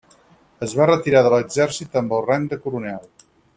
Es va retirar de l'Exèrcit amb el rang de coronel.